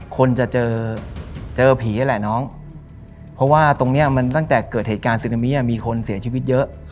คนจะเจอเจอผีแหละน้องเพราะว่าตรงนี้มันตั้งแต่เกิดเหตุการณ์ซึนามีคนเสียชีวิตเยอะ